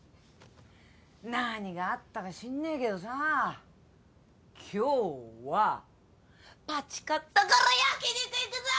何があったか知んねえけどさ今日はパチ勝ったから焼き肉行くぞ！